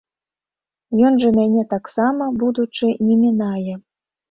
Ён жа мяне таксама, будучы, не мінае.